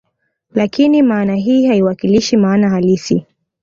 Lakini maana hii haiwakilishi maana halisi